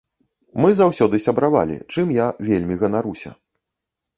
Мы заўсёды сябравалі, чым я вельмі ганаруся.